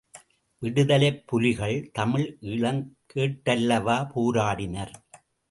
விடுதலைப்புலிகள் தமிழ் ஈழம் கேட்டல்லவா போராடினர்.